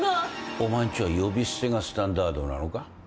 お前んちは呼び捨てがスタンダードなのか？